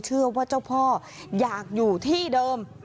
เชื่อว่าเจ้าพ่ออยากอยู่ที่เดิม